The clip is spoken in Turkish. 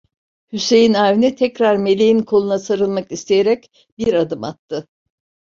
Hüseyin Avni tekrar Meleğin koluna sarılmak isteyerek, bir adım attı.